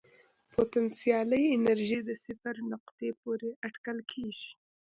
پوتنسیالي انرژي د صفر نقطې پورې اټکل کېږي.